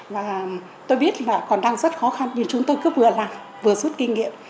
và tôi biết là còn đang rất khó khăn vì chúng tôi cứ vừa làm vừa rút kinh nghiệm